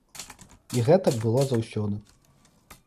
І гэтак было заўсёды.